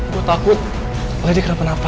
gue takut ngajak kenapa napa